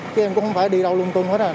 chứ em cũng không phải đi đâu luôn tuần hết à